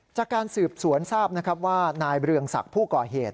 จากการสืบสวนทราบนะครับว่านายเรืองศักดิ์ผู้ก่อเหตุ